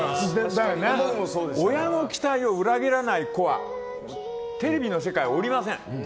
親の期待を裏切らない子はテレビの世界におりません。